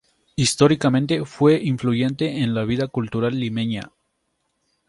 Históricamente fue influyente en la vida cultural limeña.